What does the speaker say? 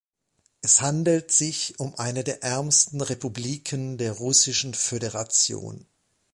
Es handelt sich um eine der ärmsten Republiken der russischen Föderation.